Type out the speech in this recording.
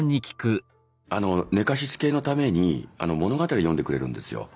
寝かしつけのために物語を読んでくれるんですよ。